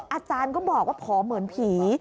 อาจารย์ก็บอกว่าผอมเหมือนผี